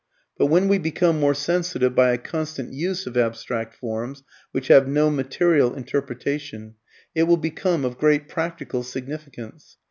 But when we become more sensitive by a constant use of abstract forms (which have no material interpretation) it will become of great practical significance.